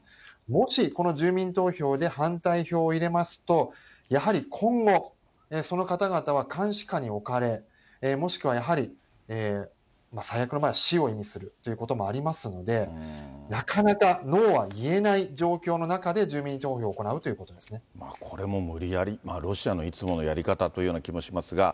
もしこの住民投票で反対票を入れますと、やはり今後、その方々は監視下に置かれ、もしくはやはり、最悪の場合、死を意味するということもありますので、なかなかノーは言えない状況の中で、住民投票を行うということでこれも無理やり、ロシアのいつものやり方という気もしますが。